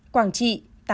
quảng trị tám mươi ba